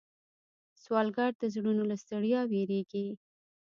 سوالګر د زړونو له ستړیا ویریږي